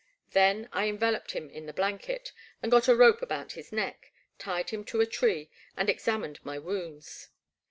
Then I envel oped him in the blanket, and got a rope about his neck, tied him to a tree and examined my wounds.